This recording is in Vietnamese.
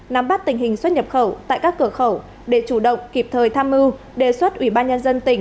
nắm bắt tình hình xuất nhập khẩu tại các cửa khẩu để chủ động kịp thời tham mưu đề xuất ủy ban nhân dân tỉnh